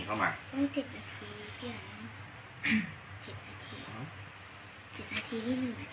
ต้อง๗นาที